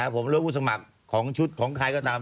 ผมหรือผู้สมัครของชุดของใครก็ตาม